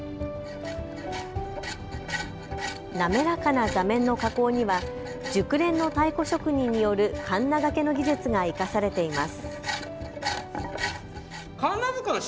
滑らかな座面の加工には熟練の太鼓職人によるかんながけの技術が生かされています。